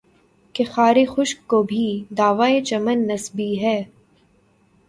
کہ خارِ خشک کو بھی دعویِ چمن نسبی ہے